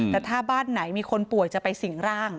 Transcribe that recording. แต่ถ้าบ้านไหนมีคนป่วยจะไปสิ่งร่าง